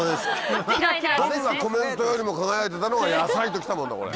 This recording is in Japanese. どんなコメントよりも輝いてたのは野菜と来たもんだ。